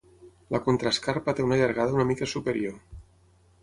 La contraescarpa té una llargada una mica superior.